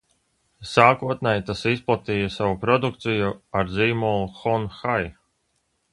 Sākotnēji tas izplatīja savu produkciju ar zīmolu Hon Hai.